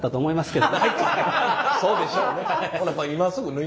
そうでしょうね。